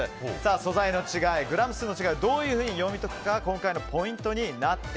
素材の違い、グラム数の違いをどういうふうに読み解くかが今回のポイントです。